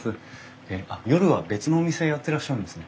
え夜は別のお店やってらっしゃるんですね。